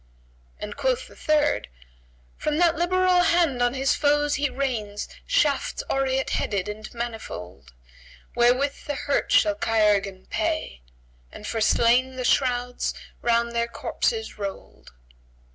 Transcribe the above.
And quoth the third, "From that liberal hand on his foes he rains * Shafts aureate headed and manifold: Wherewith the hurt shall chirurgeon pay, * And for slain the shrouds round their corpses roll'd."